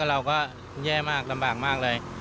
เราก็แย่มากลำบากมากเลย